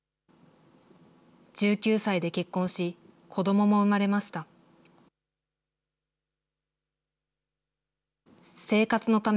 １９歳で結婚し、子どもも生まれました。